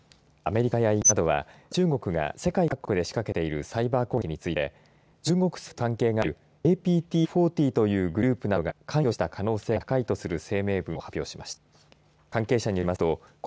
アメリカやイギリスなどは中国が世界各国で仕掛けているサイバー攻撃について中国政府と関係があるＡＴＰ４０というグループなどが関与した可能性が高いとする声明文を発表しました。